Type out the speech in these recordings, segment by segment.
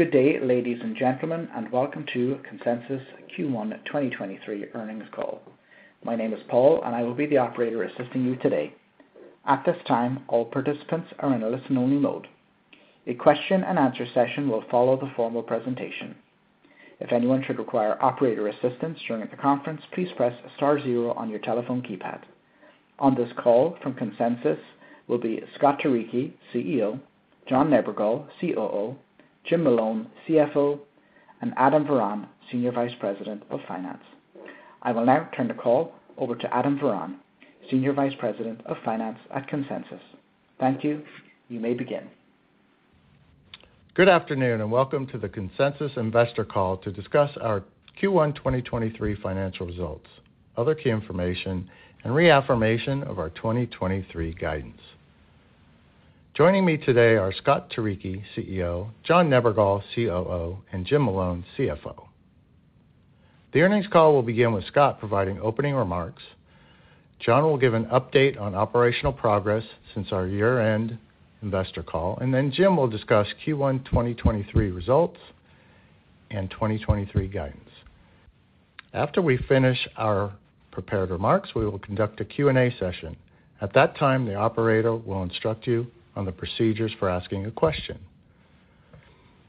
Good day, ladies and gentlemen, and welcome to Consensus Cloud Solutions Q1 2023 earnings call. My name is Paul, and I will be the operator assisting you today. At this time, all participants are in a listen-only mode. A question and answer session will follow the formal presentation. If anyone should require operator assistance during the conference, please press star 0 on your telephone keypad. On this call from Consensus Cloud Solutions will be Scott Turicchi, CEO, John Nebergall, COO, Jim Malone, CFO, and Adam Varon, Senior Vice President of Finance. I will now turn the call over to Adam Varon, Senior Vice President of Finance at Consensus Cloud Solutions. Thank you. You may begin. Good afternoon, welcome to the Consensus Cloud Solutions investor call to discuss our Q1 2023 financial results, other key information, and reaffirmation of our 2023 guidance. Joining me today are Scott Turicchi, CEO, John Nebergall, COO, and Jim Malone, CFO. The earnings call will begin with Scott providing opening remarks. John will give an update on operational progress since our year-end investor call, and then Jim will discuss Q1 2023 results and 2023 guidance. After we finish our prepared remarks, we will conduct a Q&A session. At that time, the operator will instruct you on the procedures for asking a question.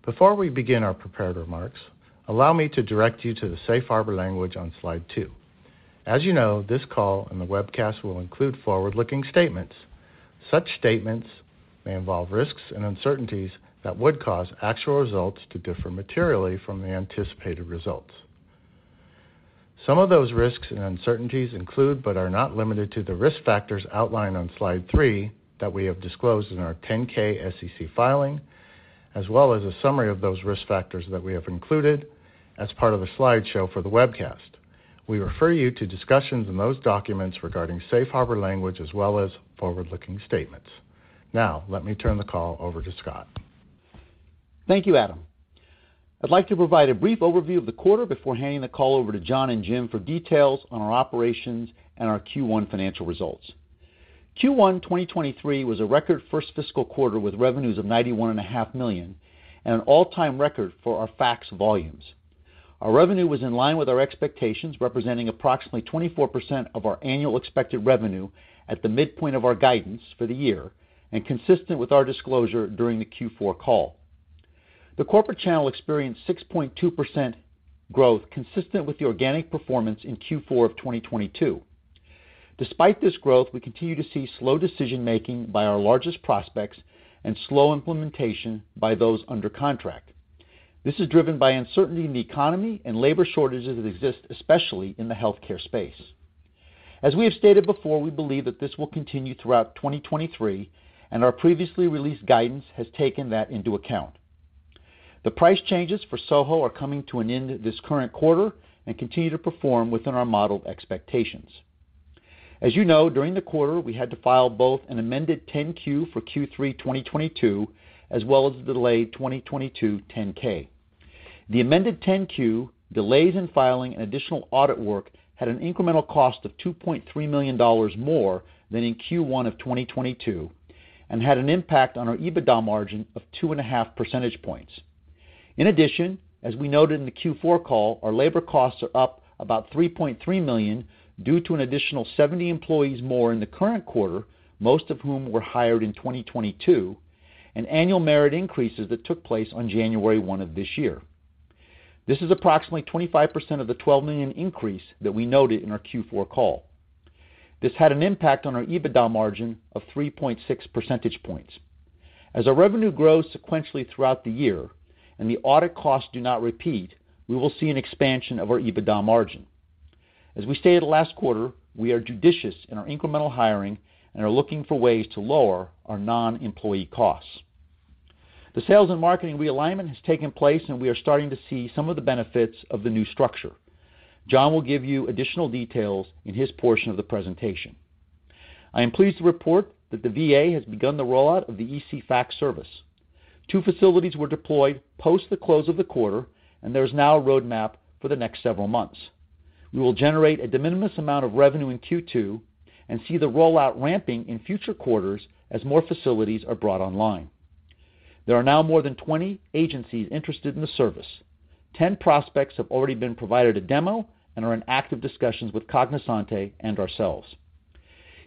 Before we begin our prepared remarks, allow me to direct you to the Safe Harbor language on slide 2. As you know, this call and the webcast will include forward-looking statements. Such statements may involve risks and uncertainties that would cause actual results to differ materially from the anticipated results. Some of those risks and uncertainties include, but are not limited to, the risk factors outlined on slide 3 that we have disclosed in our 10-K SEC filing, as well as a summary of those risk factors that we have included as part of the slideshow for the webcast. We refer you to discussions in those documents regarding Safe Harbor language as well as forward-looking statements. Now, let me turn the call over to Scott. Thank you, Adam. I'd like to provide a brief overview of the quarter before handing the call over to John and Jim for details on our operations and our Q1 financial results. Q1 2023 was a record first fiscal quarter, with revenues of 91.5 million and an all-time record for our fax volumes. Our revenue was in line with our expectations, representing approximately 24% of our annual expected revenue at the midpoint of our guidance for the year and consistent with our disclosure during the Q4 call. The corporate channel experienced 6.2% growth, consistent with the organic performance in Q4 2022. Despite this growth, we continue to see slow decision making by our largest prospects and slow implementation by those under contract. This is driven by uncertainty in the economy and labor shortages that exist, especially in the healthcare space. As we have stated before, we believe that this will continue throughout 2023, our previously released guidance has taken that into account. The price changes for SoHo are coming to an end this current quarter and continue to perform within our modeled expectations. As you know, during the quarter, we had to file both an amended 10-Q for Q3 2022, as well as the delayed 2022 10-K. The amended 10-Q delays in filing and additional audit work had an incremental cost of $2.3 million more than in Q1 of 2022 and had an impact on our EBITDA margin of 2.5 percentage points. In addition, as we noted in the Q4 call, our labor costs are up about $3.3 million due to an additional 70 employees more in the current quarter, most of whom were hired in 2022, and annual merit increases that took place on January 1 of this year. This is approximately 25% of the $12 million increase that we noted in our Q4 call. This had an impact on our EBITDA margin of 3.6 percentage points. As our revenue grows sequentially throughout the year and the audit costs do not repeat, we will see an expansion of our EBITDA margin. As we stated last quarter, we are judicious in our incremental hiring and are looking for ways to lower our non-employee costs. The sales and marketing realignment has taken place, and we are starting to see some of the benefits of the new structure. John will give you additional details in his portion of the presentation. I am pleased to report that the VA has begun the rollout of the ECFax service. Two facilities were deployed post the close of the quarter. There is now a roadmap for the next several months. We will generate a de minimis amount of revenue in Q2 and see the rollout ramping in future quarters as more facilities are brought online. There are now more than 20 agencies interested in the service. 10 prospects have already been provided a demo and are in active discussions with Cognosante and ourselves.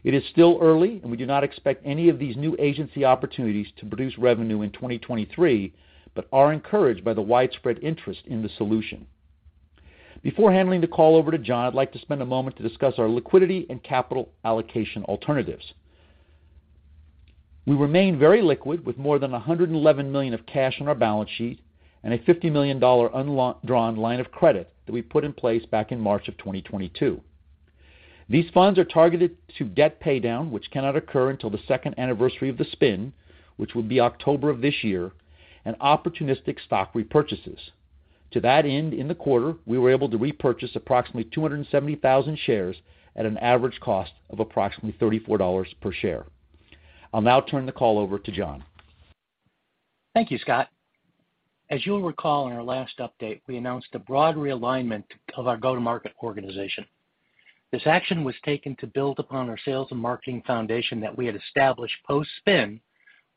It is still early. We do not expect any of these new agency opportunities to produce revenue in 2023, but are encouraged by the widespread interest in the solution. Before handling the call over to John Nebergall, I'd like to spend a moment to discuss our liquidity and capital allocation alternatives. We remain very liquid with more than $111 million of cash on our balance sheet and a $50 million undrawn line of credit that we put in place back in March 2022. These funds are targeted to debt paydown, which cannot occur until the second anniversary of the spin, which will be October of this year, and opportunistic stock repurchases. To that end, in the quarter, we were able to repurchase approximately 270,000 shares at an average cost of approximately $34 per share. I'll now turn the call over to John Nebergall. Thank you, Scott. As you'll recall, in our last update, we announced a broad realignment of our go-to-market organization. This action was taken to build upon our sales and marketing foundation that we had established post-spin,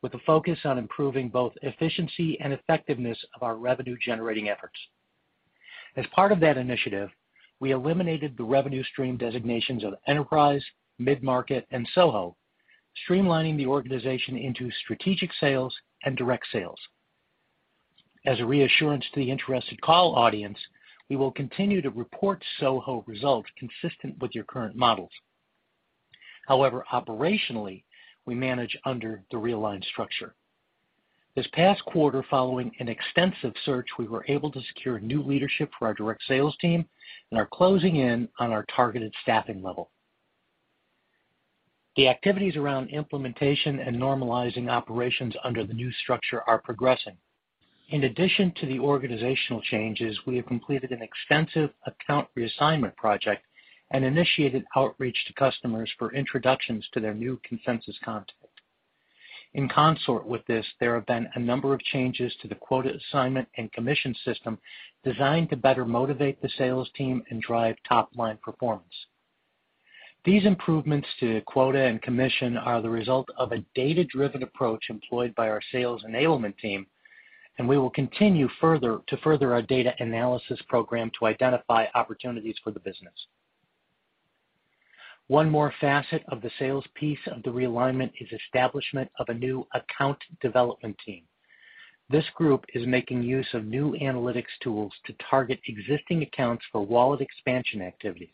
with a focus on improving both efficiency and effectiveness of our revenue-generating efforts. As part of that initiative, we eliminated the revenue stream designations of enterprise, mid-market, and SoHo, streamlining the organization into strategic sales and direct sales. As a reassurance to the interested call audience, we will continue to report SoHo results consistent with your current models. However, operationally, we manage under the realigned structure. This past quarter, following an extensive search, we were able to secure new leadership for our direct sales team and are closing in on our targeted staffing level. The activities around implementation and normalizing operations under the new structure are progressing. In addition to the organizational changes, we have completed an extensive account reassignment project and initiated outreach to customers for introductions to their new Consensus contact. In consort with this, there have been a number of changes to the quota assignment and commission system designed to better motivate the sales team and drive top-line performance. These improvements to quota and commission are the result of a data-driven approach employed by our sales enablement team, and we will continue to further our data analysis program to identify opportunities for the business. One more facet of the sales piece of the realignment is establishment of a new account development team. This group is making use of new analytics tools to target existing accounts for wallet expansion activities.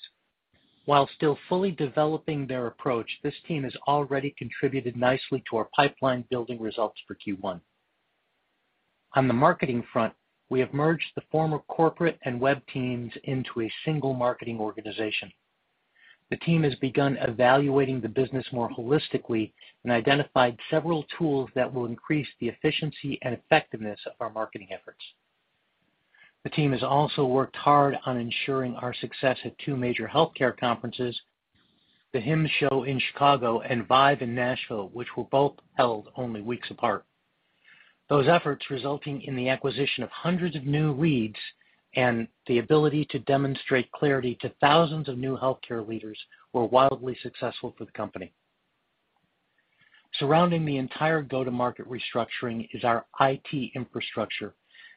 While still fully developing their approach, this team has already contributed nicely to our pipeline-building results for Q1. On the marketing front, we have merged the former corporate and web teams into a single marketing organization. The team has begun evaluating the business more holistically and identified several tools that will increase the efficiency and effectiveness of our marketing efforts. The team has also worked hard on ensuring our success at two major healthcare conferences, the HIMSS show in Chicago and ViVE in Nashville, which were both held only weeks apart. Those efforts resulting in the acquisition of hundreds of new leads and the ability to demonstrate Clarity to thousands of new healthcare leaders were wildly successful for the company. Surrounding the entire go-to-market restructuring is our IT infrastructure.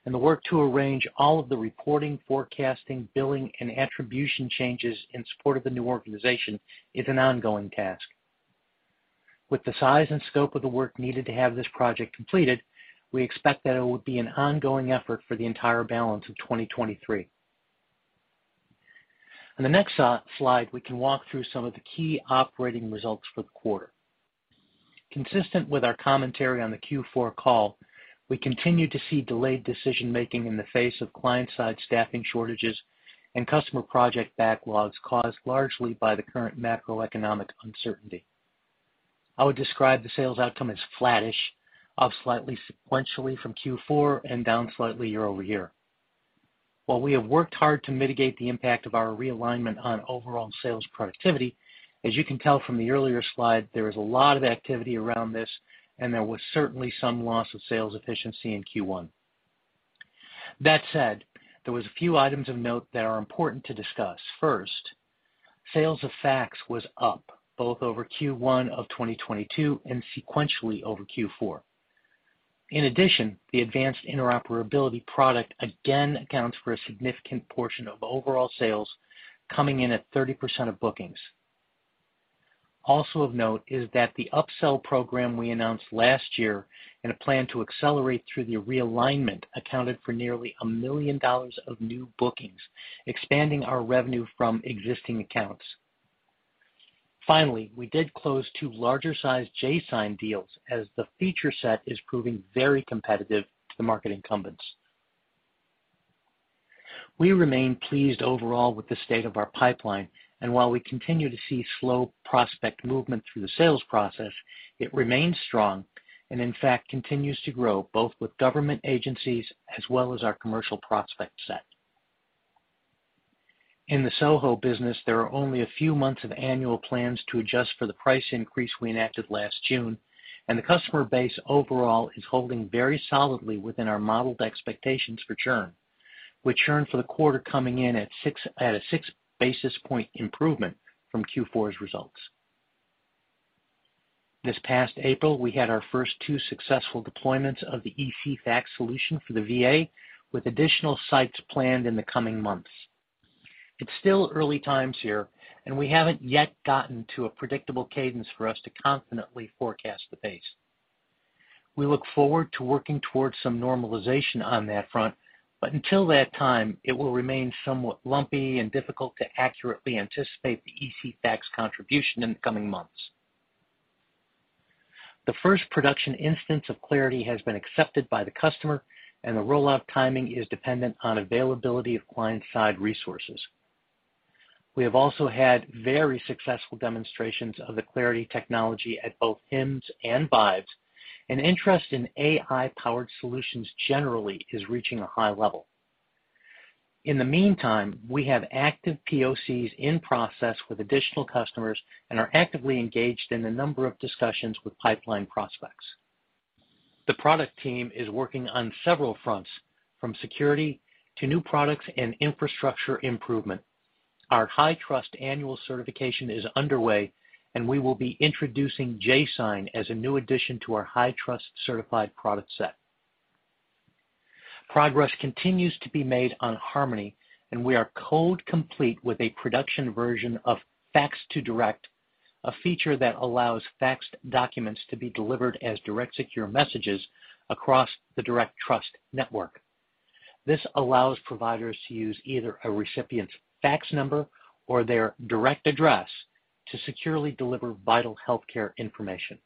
The work to arrange all of the reporting, forecasting, billing, and attribution changes in support of the new organization is an ongoing task. With the size and scope of the work needed to have this project completed, we expect that it will be an ongoing effort for the entire balance of 2023. On the next slide, we can walk through some of the key operating results for the quarter. Consistent with our commentary on the Q4 call, we continue to see delayed decision-making in the face of client-side staffing shortages and customer project backlogs caused largely by the current macroeconomic uncertainty. I would describe the sales outcome as flattish, up slightly sequentially from Q4 and down slightly year-over-year. While we have worked hard to mitigate the impact of our realignment on overall sales productivity, as you can tell from the earlier slide, there is a lot of activity around this, and there was certainly some loss of sales efficiency in Q1. That said, there was a few items of note that are important to discuss. First, sales of fax was up both over Q1 of 2022 and sequentially over Q4. In addition, the advanced interoperability product again accounts for a significant portion of overall sales, coming in at 30% of bookings. Of note is that the upsell program we announced last year and a plan to accelerate through the realignment accounted for nearly $1 million of new bookings, expanding our revenue from existing accounts. We did close two larger-sized jSign deals as the feature set is proving very competitive to the market incumbents. We remain pleased overall with the state of our pipeline, and while we continue to see slow prospect movement through the sales process, it remains strong and in fact continues to grow both with government agencies as well as our commercial prospect set. In the SoHo business, there are only a few months of annual plans to adjust for the price increase we enacted last June, and the customer base overall is holding very solidly within our modeled expectations for churn, with churn for the quarter coming in at a six basis point improvement from Q4's results. This past April, we had our first two successful deployments of the ECFax solution for the VA, with additional sites planned in the coming months. It's still early times here, and we haven't yet gotten to a predictable cadence for us to confidently forecast the pace. We look forward to working towards some normalization on that front, but until that time, it will remain somewhat lumpy and difficult to accurately anticipate the ECFax contribution in the coming months. The first production instance of Clarity has been accepted by the customer, and the rollout timing is dependent on availability of client-side resources. We have also had very successful demonstrations of the Clarity technology at both HIMSS and ViVE, and interest in AI-powered solutions generally is reaching a high level. In the meantime, we have active POCs in process with additional customers and are actively engaged in a number of discussions with pipeline prospects. The product team is working on several fronts, from security to new products and infrastructure improvement. Our HITRUST annual certification is underway, and we will be introducing jSign as a new addition to our HITRUST certified product set. Progress continues to be made on Harmony. We are code complete with a production version of Fax to Direct, a feature that allows faxed documents to be delivered as direct secure messages across the DirectTrust network. This allows providers to use either a recipient's fax number or their Direct Address to securely deliver vital healthcare information.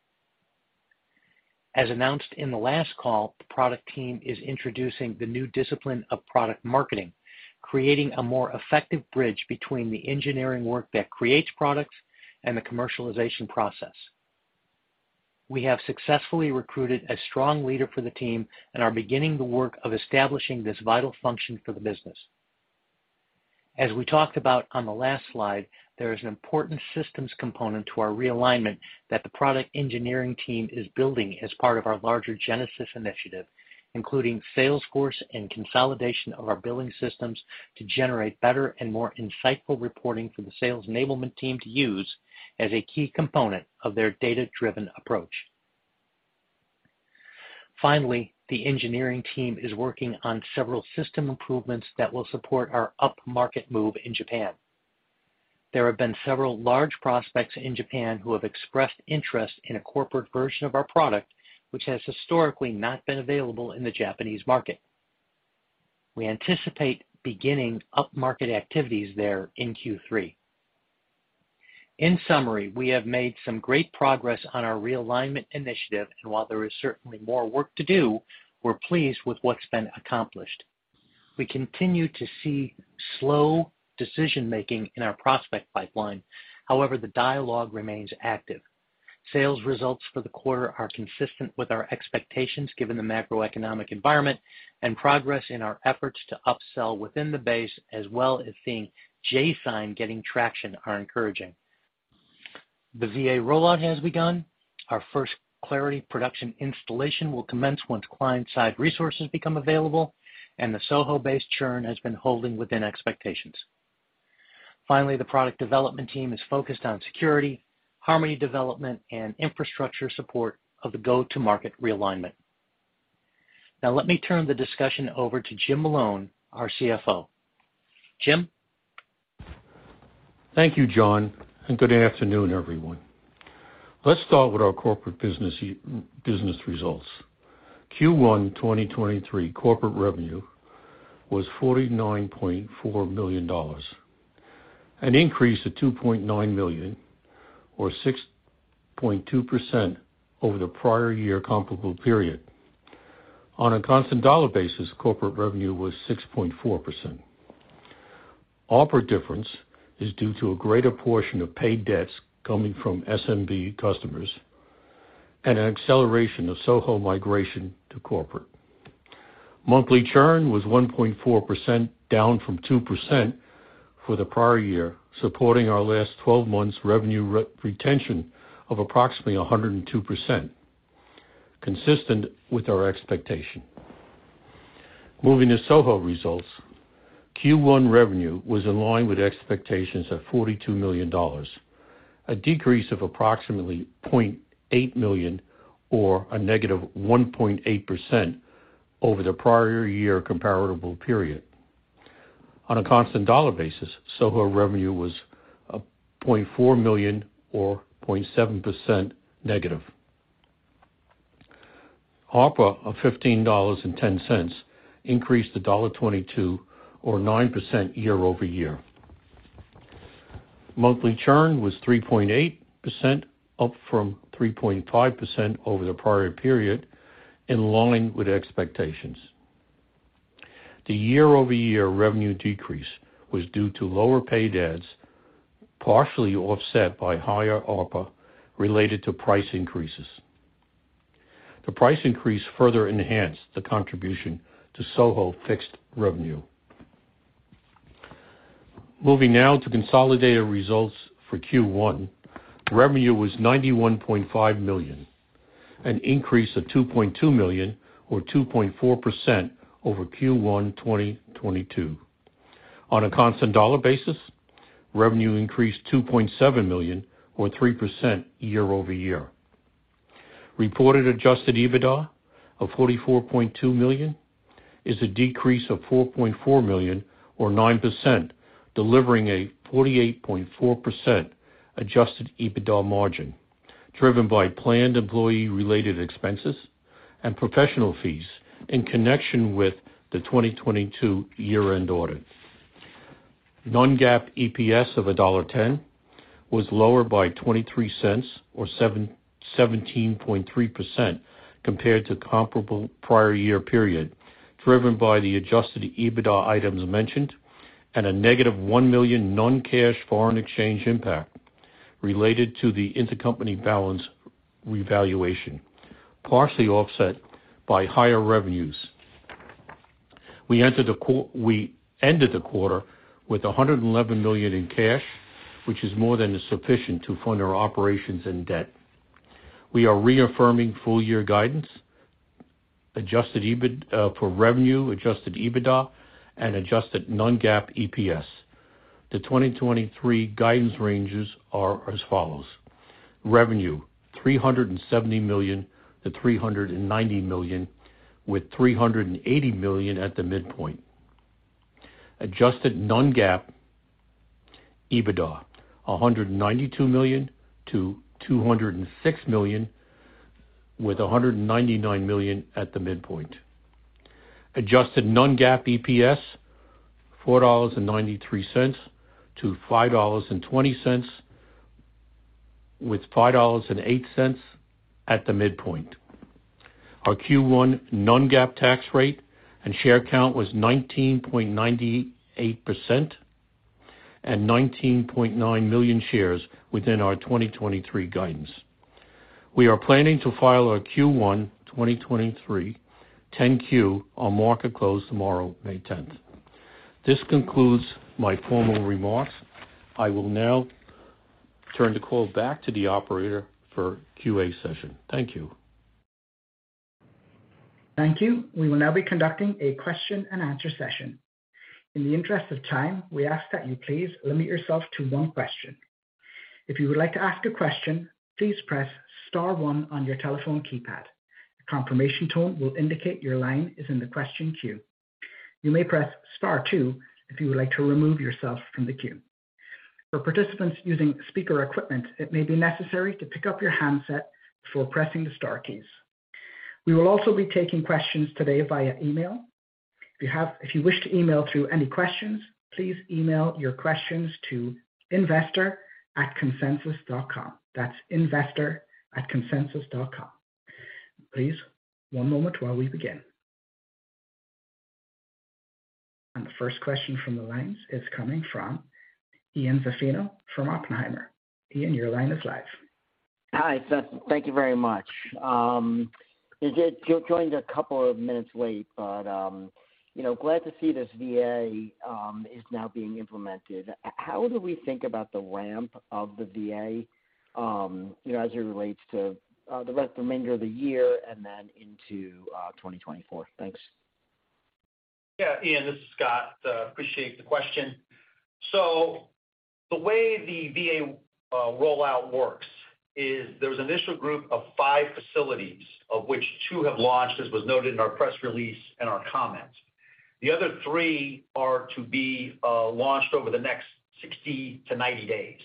As announced in the last call, the product team is introducing the new discipline of product marketing, creating a more effective bridge between the engineering work that creates products and the commercialization process. We have successfully recruited a strong leader for the team and are beginning the work of establishing this vital function for the business. As we talked about on the last slide, there is an important systems component to our realignment that the product engineering team is building as part of our larger Genesis initiative, including Salesforce and consolidation of our billing systems to generate better and more insightful reporting for the sales enablement team to use as a key component of their data-driven approach. Finally, the engineering team is working on several system improvements that will support our upmarket move in Japan. There have been several large prospects in Japan who have expressed interest in a corporate version of our product, which has historically not been available in the Japanese market. We anticipate beginning upmarket activities there in Q3. In summary, we have made some great progress on our realignment initiative, and while there is certainly more work to do, we're pleased with what's been accomplished. We continue to see slow decision-making in our prospect pipeline. However, the dialogue remains active. Sales results for the quarter are consistent with our expectations, given the macroeconomic environment and progress in our efforts to upsell within the base, as well as seeing jSign getting traction are encouraging. The VA rollout has begun. Our first Clarity production installation will commence once client-side resources become available, and the SoHo-based churn has been holding within expectations. Finally, the product development team is focused on security, Harmony development, and infrastructure support of the go-to-market realignment. Now let me turn the discussion over to Jim Malone, our CFO. Jim. Thank you, John, and good afternoon, everyone. Let's start with our corporate business results. Q1 2023 corporate revenue was $49.4 million, an increase of $2.9 million or 6.2% over the prior year comparable period. On a constant dollar basis, corporate revenue was 6.4%. Opera difference is due to a greater portion of paid adds coming from SMB customers and an acceleration of SoHo migration to corporate. Monthly churn was 1.4%, down from 2% for the prior year, supporting our last 12 months revenue retention of approximately 102%, consistent with our expectation. Moving to SoHo results. Q1 revenue was in line with expectations of $42 million, a decrease of approximately $0.8 million or a -1.8% over the prior year comparable period. On a constant dollar basis, SoHo revenue was $0.4 million or 0.7% negative. ARPA of $15.10 increased to $1.22 or 9% year-over-year. Monthly churn was 3.8%, up from 3.5% over the prior period, in line with expectations. The year-over-year revenue decrease was due to lower paid ads, partially offset by higher ARPA related to price increases. The price increase further enhanced the contribution to SoHo fixed revenue. Moving now to consolidated results for Q1. Revenue was $91.5 million, an increase of $2.2 million or 2.4% over Q1 2022. On a constant dollar basis, revenue increased $2.7 million or 3% year-over-year. Reported adjusted EBITDA of $44.2 million is a decrease of $4.4 million or 9%, delivering a 48.4% adjusted EBITDA margin, driven by planned employee-related expenses and professional fees in connection with the 2022 year-end audit. Non-GAAP EPS of $1.10 was lower by $0.23 or 17.3% compared to comparable prior year period, driven by the adjusted EBITDA items mentioned and a negative $1 million non-cash foreign exchange impact related to the intercompany balance revaluation, partially offset by higher revenues. We ended the quarter with $111 million in cash, which is more than sufficient to fund our operations and debt. We are reaffirming full year guidance, adjusted EBIT for revenue, adjusted EBITDA, and adjusted non-GAAP EPS. The 2023 guidance ranges are as follows: Revenue, $370 million-$390 million, with $380 million at the midpoint. Adjusted non-GAAP EBITDA, $192 million-$206 million, with $199 million at the midpoint. Adjusted non-GAAP EPS, $4.93-$5.20, with $5.08 at the midpoint. Our Q1 non-GAAP tax rate and share count was 19.98% and 19.9 million shares within our 2023 guidance. We are planning to file our Q1, 2023, 10-Q on market close tomorrow, May 10th. This concludes my formal remarks. I will now turn the call back to the operator for QA session. Thank you. Thank you. We will now be conducting a question and answer session. In the interest of time, we ask that you please limit yourself to one question. If you would like to ask a question, please press star one on your telephone keypad. A confirmation tone will indicate your line is in the question queue. You may press star two if you would like to remove yourself from the queue. For participants using speaker equipment, it may be necessary to pick up your handset before pressing the star keys. We will also be taking questions today via email. If you wish to email through any questions, please email your questions to investor@consensus.com. That's investor@consensus.com. Please, one moment while we begin. The first question from the lines is coming from Ian Zaffino from Oppenheimer. Ian, your line is live. Hi, Scott. Thank you very much. Joined a couple of minutes late, but, you know, glad to see this VA is now being implemented. How do we think about the ramp of the VA, you know, as it relates to the remainder of the year and then into 2024? Thanks. Yeah, Ian, this is Scott. Appreciate the question. The way the VA rollout works is there was an initial group of five facilities of which two have launched, as was noted in our press release and our comments. The other three are to be launched over the next 60 to 90 days.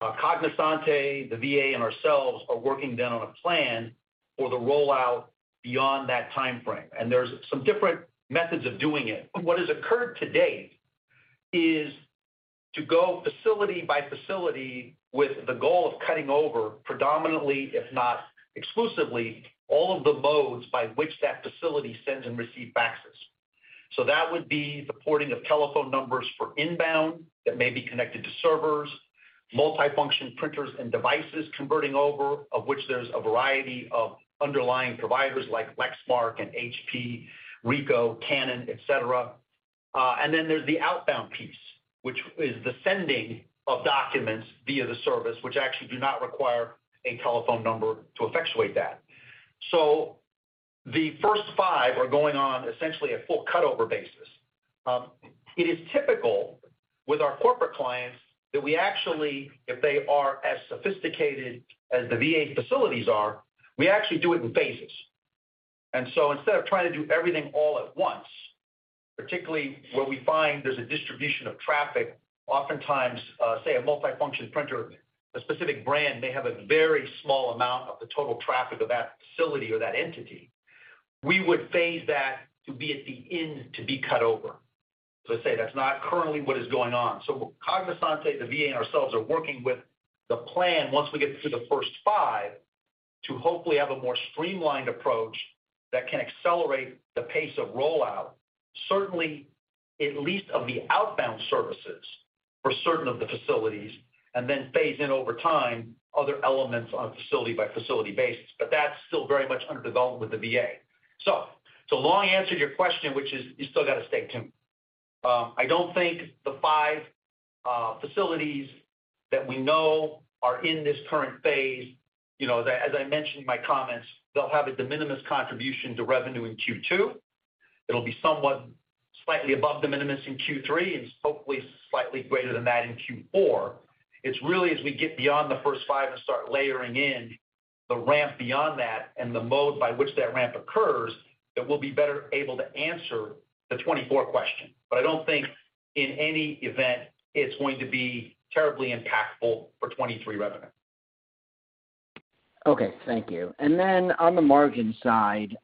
Cognosante, the VA, and ourselves are working then on a plan for the rollout beyond that timeframe, and there's some different methods of doing it. What has occurred to date is to go facility by facility with the goal of cutting over predominantly, if not exclusively, all of the modes by which that facility sends and receives faxes. That would be the porting of telephone numbers for inbound that may be connected to servers, multifunction printers and devices converting over, of which there's a variety of underlying providers like Lexmark and HP, Ricoh, Canon, et cetera. There's the outbound piece, which is the sending of documents via the service, which actually do not require a telephone number to effectuate that. The first five are going on essentially a full cut-over basis. It is typical with our corporate clients that we actually, if they are as sophisticated as the VA facilities are, we actually do it in phases. Instead of trying to do everything all at once, particularly where we find there's a distribution of traffic, oftentimes, say a multifunction printer, a specific brand may have a very small amount of the total traffic of that facility or that entity. We would phase that to be at the end to be cut over. Let's say that's not currently what is going on. Cognosante, the VA, and ourselves are working with the plan once we get through the first five, to hopefully have a more streamlined approach that can accelerate the pace of rollout, certainly at least of the outbound services for certain of the facilities, and then phase in over time other elements on a facility-by-facility basis. That's still very much under development with the VA. The long answer to your question, which is you still got to stay tuned. I don't think the five facilities that we know are in this current phase. You know, as I mentioned in my comments, they'll have a de minimis contribution to revenue in Q2. It'll be somewhat slightly above de minimis in Q3, and hopefully slightly greater than that in Q4. It's really as we get beyond the first five and start layering in the ramp beyond that and the mode by which that ramp occurs that we'll be better able to answer the 2024 question. I don't think in any event, it's going to be terribly impactful for 2023 revenue. Okay. Thank you. Then on the margin side,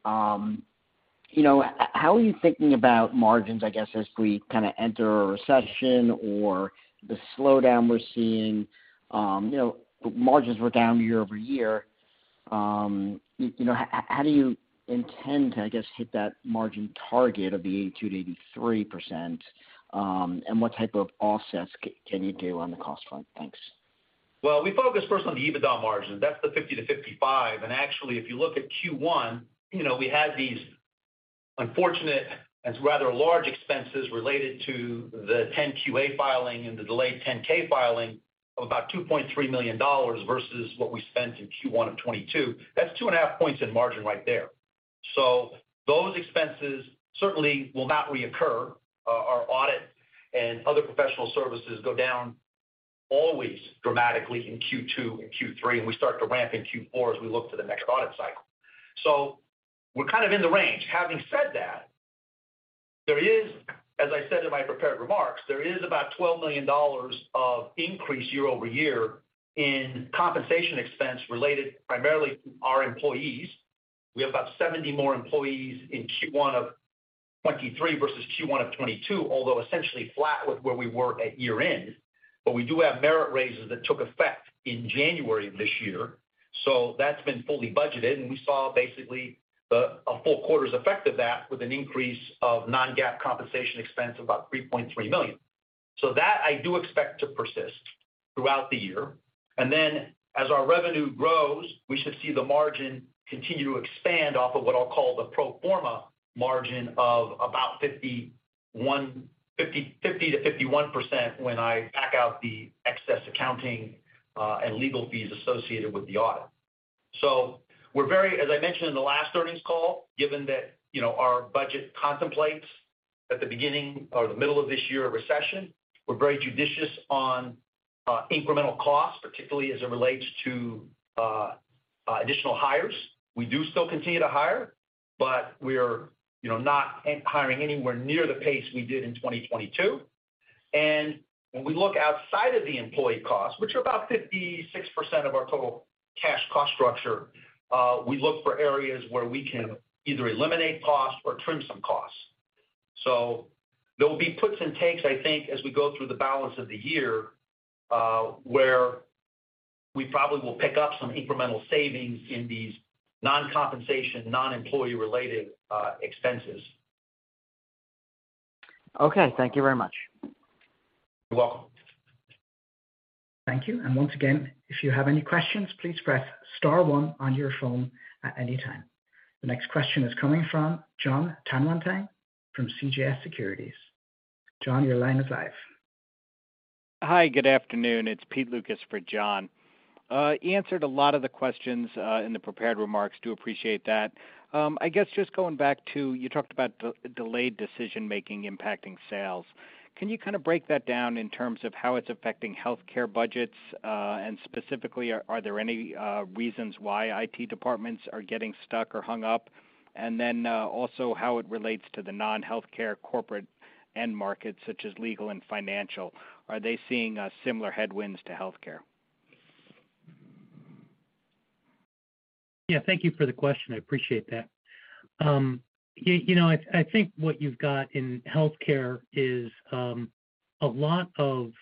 you know, how are you thinking about margins, I guess, as we kind of enter a recession or the slowdown we're seeing, you know, margins were down year-over-year. You know, how do you intend to, I guess, hit that margin target of the 82%-83%, and what type of offsets can you do on the cost front? Thanks. We focus first on the EBITDA margin. That's the 50-55%. Actually, if you look at Q1, you know, we had these unfortunate and rather large expenses related to the 10-Q filing and the delayed 10-K filing of about $2.3 million versus what we spent in Q1 of 2022. That's 2.5 points in margin right there. Those expenses certainly will not reoccur. Our audit and other professional services go down always dramatically in Q2 and Q3, and we start to ramp in Q4 as we look to the next audit cycle. We're kind of in the range. Having said that, as I said in my prepared remarks, there is about $12 million of increase year-over-year in compensation expense related primarily to our employees. We have about 70 more employees in Q1 of 2023 versus Q1 of 2022, although essentially flat with where we were at year-end. We do have merit raises that took effect in January of this year, so that's been fully budgeted. We saw basically a full quarter's effect of that with an increase of non-GAAP compensation expense of about $3.3 million. That I do expect to persist throughout the year. As our revenue grows, we should see the margin continue to expand off of what I'll call the pro forma margin of about 50%-51% when I back out the excess accounting and legal fees associated with the audit. As I mentioned in the last earnings call, given that, you know, our budget contemplates at the beginning or the middle of this year a recession, we're very judicious on incremental costs, particularly as it relates to additional hires. We do still continue to hire, but we're, you know, not hiring anywhere near the pace we did in 2022. When we look outside of the employee costs, which are about 56% of our total cash cost structure, we look for areas where we can either eliminate costs or trim some costs. There'll be puts and takes, I think, as we go through the balance of the year, where we probably will pick up some incremental savings in these non-compensation, non-employee related expenses. Okay, thank you very much. You're welcome. Thank you. Once again, if you have any questions, please press star one on your phone at any time. The next question is coming from Jonathan Tanwanteng from CJS Securities. John, your line is live. Hi, good afternoon. It's Pete Lucas for John. You answered a lot of the questions in the prepared remarks. Do appreciate that. I guess just going back to you talked about delayed decision-making impacting sales. Can you kind of break that down in terms of how it's affecting healthcare budgets? Specifically, are there any reasons why IT departments are getting stuck or hung up? Then also how it relates to the non-healthcare corporate end markets such as legal and financial. Are they seeing similar headwinds to healthcare? Yeah. Thank you for the question. I appreciate that. You know, I think what you've got in healthcare is a lot of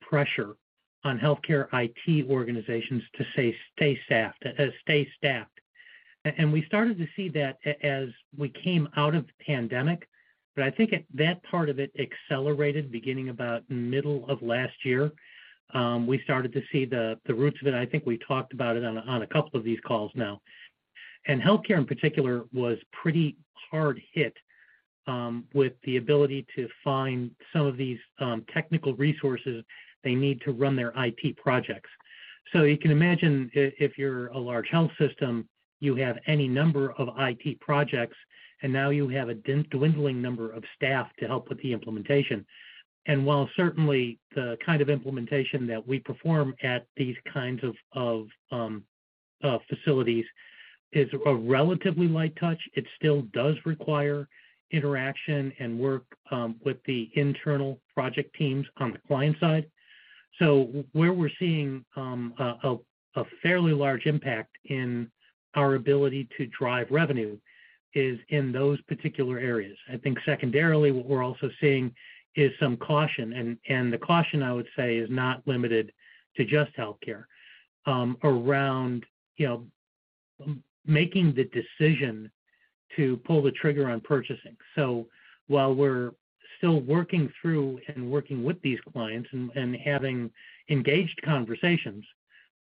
pressure on healthcare IT organizations to stay staffed. We started to see that as we came out of the pandemic, but I think at that part of it accelerated beginning about middle of last year. We started to see the roots of it. I think we talked about it on a couple of these calls now. Healthcare in particular was pretty hard hit with the ability to find some of these technical resources they need to run their IT projects. You can imagine if you're a large health system, you have any number of IT projects, and now you have a dwindling number of staff to help with the implementation. While certainly the kind of implementation that we perform at these kinds of facilities is a relatively light touch, it still does require interaction and work with the internal project teams on the client side. Where we're seeing a fairly large impact in our ability to drive revenue is in those particular areas. I think secondarily, what we're also seeing is some caution, and the caution I would say is not limited to just healthcare around, you know, making the decision to pull the trigger on purchasing. While we're still working through and working with these clients and having engaged conversations,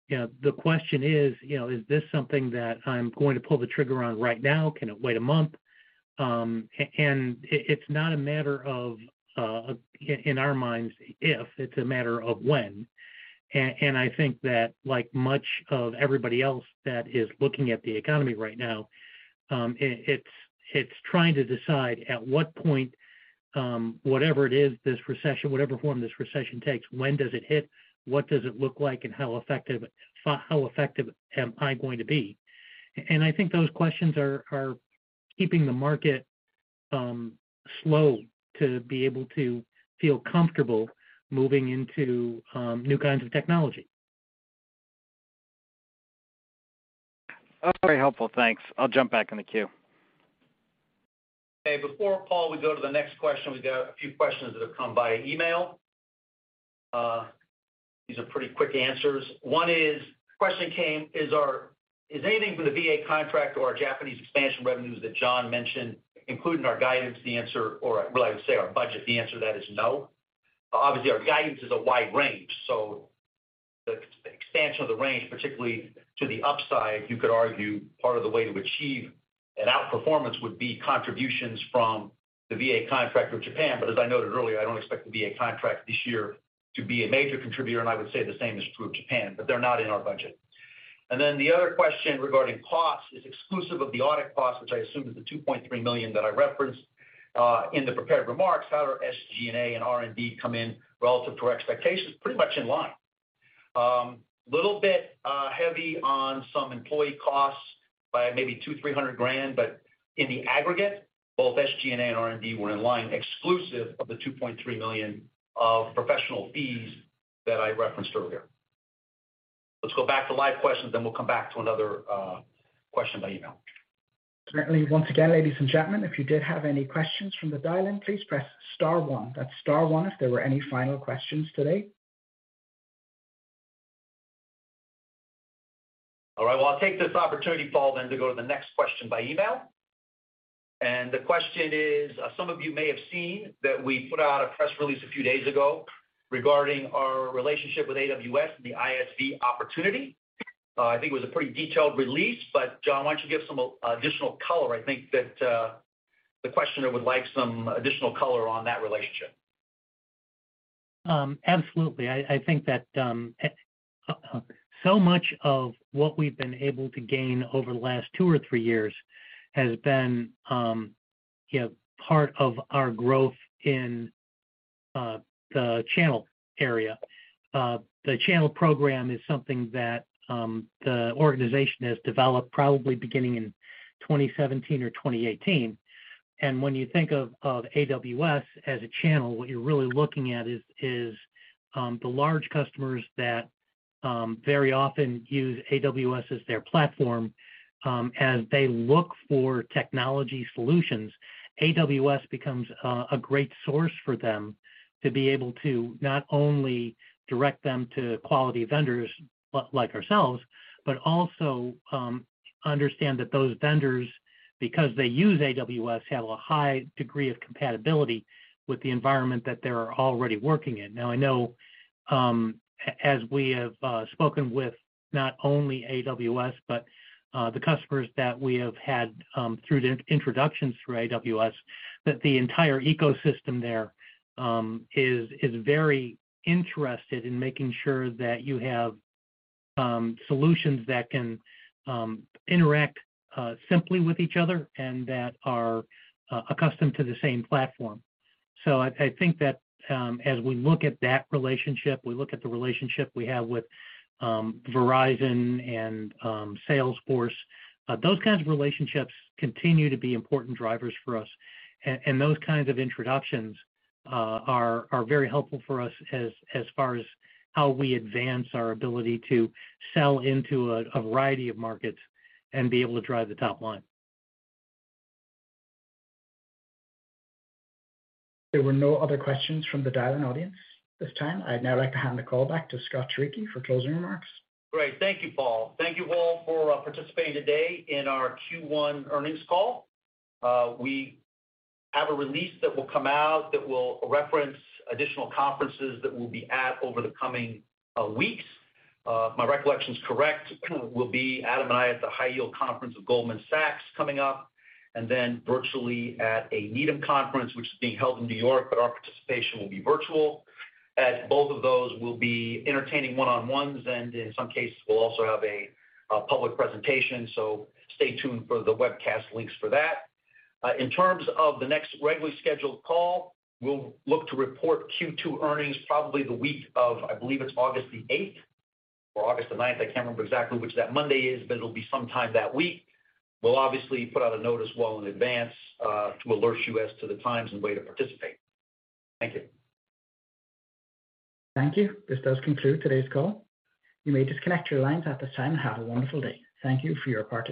you know, the question is, you know, "Is this something that I'm going to pull the trigger on right now? Can it wait a month?" It's not a matter of, in our minds, if, it's a matter of when. I think that like much of everybody else that is looking at the economy right now, it's trying to decide at what point, whatever it is, this recession, whatever form this recession takes, when does it hit? What does it look like, and how effective am I going to be? I think those questions are keeping the market slow to be able to feel comfortable moving into new kinds of technology. That's very helpful. Thanks. I'll jump back in the queue. Okay. Before, Paul, we go to the next question, we got a few questions that have come via email. These are pretty quick answers. One is, question came. Is anything from the VA contract or our Japanese expansion revenues that John mentioned included in our guidance? Well, I would say our budget. The answer to that is no. Obviously, our guidance is a wide range, the expansion of the range, particularly to the upside, you could argue part of the way to achieve an outperformance would be contributions from the VA contract or Japan. As I noted earlier, I don't expect the VA contract this year to be a major contributor, and I would say the same is true of Japan. They're not in our budget. The other question regarding costs is exclusive of the audit costs, which I assume is the $2.3 million that I referenced in the prepared remarks. How do our SG&A and R&D come in relative to our expectations? Pretty much in line. Little bit, heavy on some employee costs by maybe $200,000-$300,000. In the aggregate, both SG&A and R&D were in line exclusive of the $2.3 million of professional fees that I referenced earlier. Let's go back to live questions, we'll come back to another, question by email. Certainly. Once again, ladies and gentlemen, if you did have any questions from the dial-in, please press star one. That's star one if there were any final questions today. All right. Well, I'll take this opportunity, Paul, then to go to the next question by email. The question is, some of you may have seen that we put out a press release a few days ago regarding our relationship with AWS and the ISV opportunity. I think it was a pretty detailed release, but John, why don't you give some additional color? I think that the questioner would like some additional color on that relationship. Absolutely. I think that so much of what we've been able to gain over the last two or three years has been part of our growth in the channel area. The channel program is something that the organization has developed probably beginning in 2017 or 2018. When you think of AWS as a channel, what you're really looking at is the large customers that very often use AWS as their platform. As they look for technology solutions, AWS becomes a great source for them to be able to not only direct them to quality vendors like ourselves, but also understand that those vendors, because they use AWS, have a high degree of compatibility with the environment that they are already working in. I know, as we have spoken with not only AWS, but the customers that we have had, through the introductions through AWS, that the entire ecosystem there is very interested in making sure that you have solutions that can interact simply with each other and that are accustomed to the same platform. I think that, as we look at that relationship, we look at the relationship we have with Verizon and Salesforce, those kinds of relationships continue to be important drivers for us. Those kinds of introductions are very helpful for us as far as how we advance our ability to sell into a variety of markets and be able to drive the top line. There were no other questions from the dial-in audience this time. I'd now like to hand the call back to Scott Turicchi for closing remarks. Great. Thank you, Paul. Thank you all for participating today in our Q1 earnings call. We have a release that will come out that will reference additional conferences that we'll be at over the coming weeks. If my recollection is correct, we'll be, Adam and I, at the Leveraged Finance Conference of Goldman Sachs coming up, and then virtually at a Needham conference, which is being held in New York, but our participation will be virtual. At both of those we'll be entertaining one-on-ones, and in some cases we'll also have a public presentation, so stay tuned for the webcast links for that. In terms of the next regularly scheduled call, we'll look to report Q2 earnings probably the week of, I believe it's August the eighth or August the ninth. I can't remember exactly which that Monday is, but it'll be sometime that week. We'll obviously put out a note as well in advance, to alert you as to the times and way to participate. Thank you. Thank you. This does conclude today's call. You may disconnect your lines at this time. Have a wonderful day. Thank you for your participation.